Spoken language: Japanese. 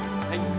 はい。